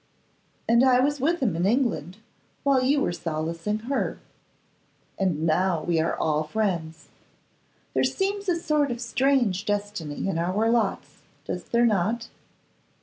And I was with him in England, while you were solacing her. And now we are all friends. There seems a sort of strange destiny in our lots, does there not?